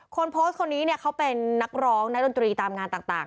คนโพสต์คนนี้เขาเป็นนักร้องนักดนตรีตามงานต่าง